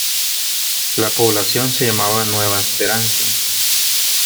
La población se llamaba Nueva Esperanza.